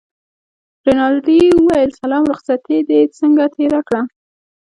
رینالډي وویل سلام رخصتې دې څنګه تېره کړه.